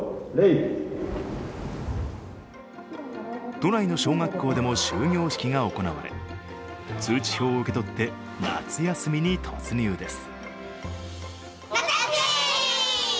都内の小学校でも終業式が行われ、通知表を受け取って夏休みに突入です。